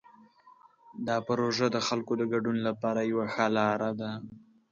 دا پروژه د خلکو د ګډون لپاره یوه ښه لاره ده.